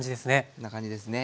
こんな感じですね。